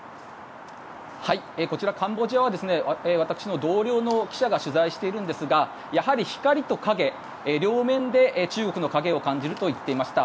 こちら、カンボジアは私の同僚の記者が取材しているんですがやはり光と影両面で中国の影を感じるといっていました。